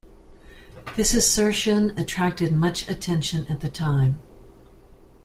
This assertion attracted much attention at the time.